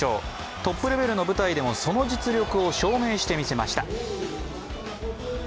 トップレベルの舞台でもその実力を証明してみせました。